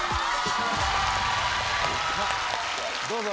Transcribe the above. どうぞ。